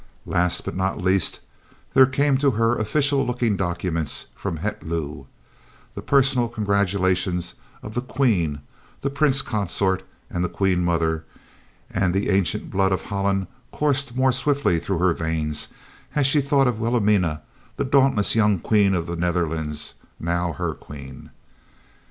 Last, but not least, there came to her official looking documents from Het Loo, the personal congratulations of the Queen, the Prince Consort, and the Queen mother and the ancient blood of Holland coursed more swiftly through her veins as she thought of Wilhelmina, the dauntless young Queen of the Netherlands, now her Queen.